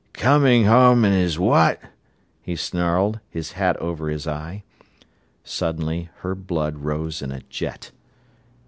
"Comin' home in his what?" he snarled, his hat over his eye. Suddenly her blood rose in a jet.